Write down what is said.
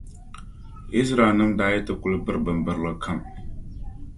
Izraɛlnima daa yi ti kul biri bimbirili kam.